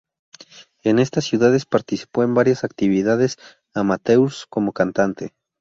En estas ciudades participó en varias actividades amateurs como cantante.